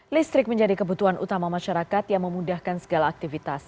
listrik menjadi kebutuhan utama masyarakat yang memudahkan segala aktivitas